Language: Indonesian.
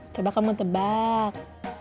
coba kamu tebak